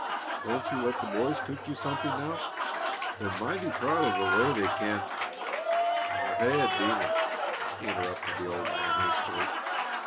Won't you let the boys cook you something now? They're mighty proud of the way they can " "I've had dinner," interrupted the old man, hastily.